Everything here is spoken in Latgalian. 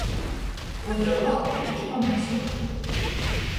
Gudra golva, glupam nosuot īdūta.